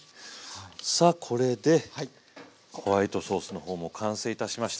さあこれでホワイトソースの方も完成いたしました。